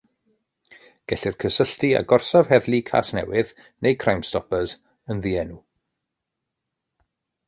Gellir cysylltu â gorsaf heddlu Casnewydd neu Crimestoppers yn ddienw.